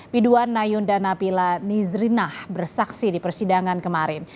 piduan nayunda napila nizrinah bersaksi di persidangan kemarin